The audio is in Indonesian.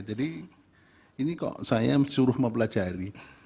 jadi ini kok saya suruh mempelajari